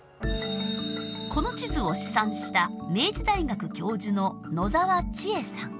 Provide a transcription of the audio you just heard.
この地図を試算した明治大学教授の野澤千絵さん。